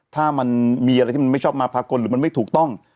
ถ้ามันมีอะไรที่มันไม่ชอบมาพากลหรือมันไม่ถูกต้อง